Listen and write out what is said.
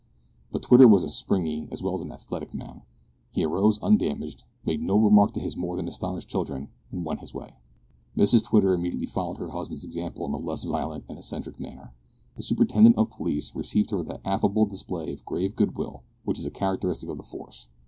But Twitter was a springy as well as an athletic man. He arose undamaged, made no remark to his more than astonished children, and went his way. Mrs Twitter immediately followed her husband's example in a less violent and eccentric manner. The superintendent of police received her with that affable display of grave good will which is a characteristic of the force.